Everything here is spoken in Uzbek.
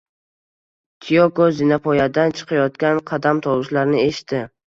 Tiyoko zinapoyadan chiqayotgan qadam tovushlarini eshitdi